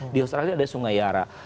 di australia ada sungai yara